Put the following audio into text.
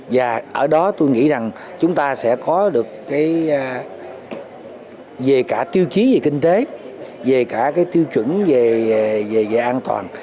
và ở đó tôi nghĩ rằng chúng ta sẽ có được cái về cả tiêu chí về kinh tế về cả cái tiêu chuẩn về an toàn